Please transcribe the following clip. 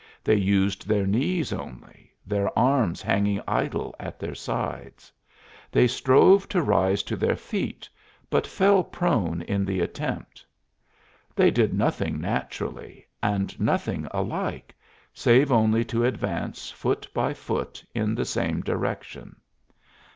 They used their knees only, their arms hanging idle at their sides. They strove to rise to their feet, but fell prone in the attempt. They did nothing naturally, and nothing alike, save only to advance foot by foot in the same direction.